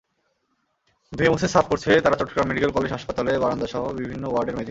ধুয়ে-মুছে সাফ করছে তারা চট্টগ্রাম মেডিকেল কলেজ হাসপাতালের বারান্দাসহ বিভিন্ন ওয়ার্ডের মেঝে।